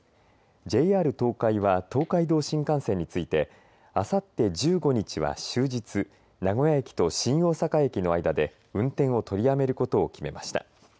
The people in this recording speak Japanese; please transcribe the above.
ＪＲ東海は東海道新幹線についてあさって１５日は終日名古屋駅と新大阪駅の間で運転を取りやめることを決めました。